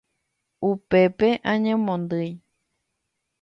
upépe añemondýi